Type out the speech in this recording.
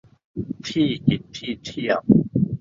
ที่กินที่เที่ยว